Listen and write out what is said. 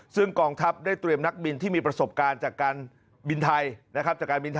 ซึ่งกองทัพได้เตรียมนักบินที่มีประสบการณ์จากการบินไทยนะครับ